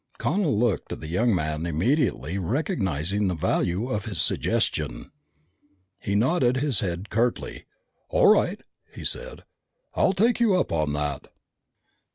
Connel looked at the young man, immediately recognizing the value of his suggestion. He nodded his head curtly. "All right," he said. "I'll take you up on that."